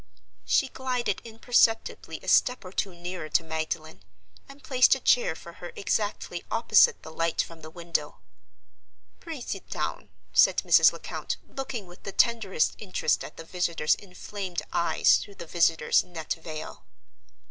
She glided imperceptibly a step or two nearer to Magdalen, and placed a chair for her exactly opposite the light from the window. "Pray sit down," said Mrs. Lecount, looking with the tenderest interest at the visitor's inflamed eyes through the visitor's net veil.